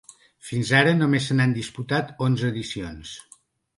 Fins ara només se n’han disputat onze edicions.